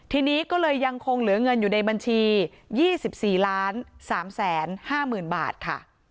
ทีนี้ก็เลยยังคงเหลือเงินอยู่ในบัญชียี่สิบสี่ล้านสามแสนห้าหมื่นบาทค่ะ